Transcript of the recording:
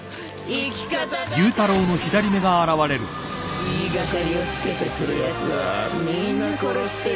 言い掛かりをつけてくるやつはみんな殺してきたんだよなぁ。